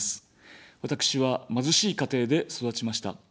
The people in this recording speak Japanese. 私は貧しい家庭で育ちました。